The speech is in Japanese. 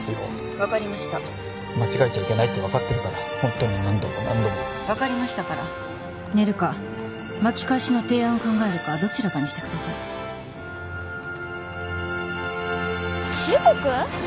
分かりました間違えちゃいけないって分かってるからホントに何度も分かりましたから寝るか巻き返しの提案を考えるかどちらかにしてください中国？